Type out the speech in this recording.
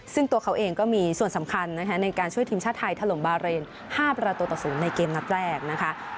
ซึ่งตัวเขาเองก็มีส่วนสำคัญนะคะในการช่วยทีมชาติไทยถล่มบาเรน๕ประตูต่อ๐ในเกมนัดแรกนะคะ